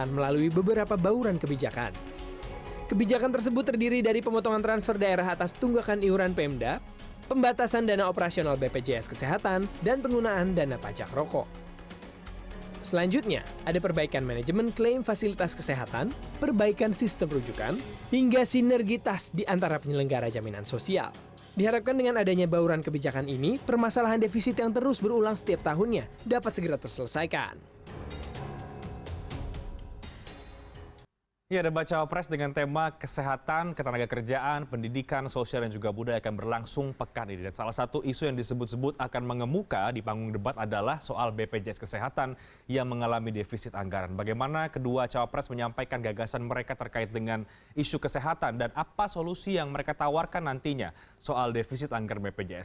cawa press menyampaikan gagasan mereka terkait dengan isu kesehatan dan apa solusi yang mereka tawarkan nantinya soal defisit anggar bpjs